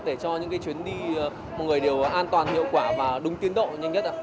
để cho những cái chuyến đi mọi người đều an toàn hiệu quả và đúng tiến độ nhanh nhất